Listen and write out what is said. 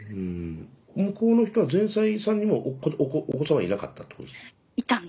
向こうの人は前妻さんにもお子さんはいなかったってことですか？